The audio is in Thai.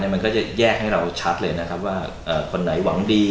มันก็จะแยกให้เราชัดเลยนะครับว่าคนไหนหวังดี